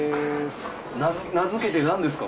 名付けて何ですか？